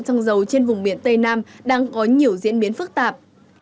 xăng dầu trên vùng biển tây nam đang có nhiều diễn biến phức tạp